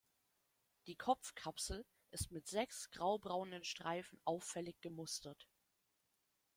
Die Kopfkapsel ist mit sechs graubraunen Streifen auffällig gemustert.